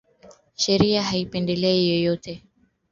Sheria haipendelei yeyote